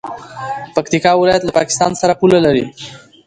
پکتیکا ولایت له پاکستان سره پوله لري.